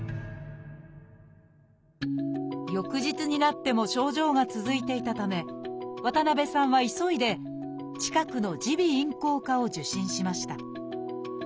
翌日になっても症状が続いていたため渡辺さんは急いで近くの耳鼻咽喉科を受診しました。